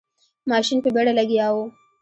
ماشین په بیړه لګیا و.